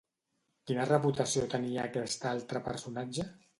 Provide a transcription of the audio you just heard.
Quina reputació tenia aquest altre personatge?